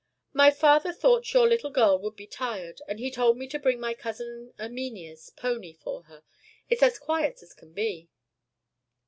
"My father thought your little girl would be tired, and he told me to bring my cousin Erminia's pony for her. It's as quiet as can be."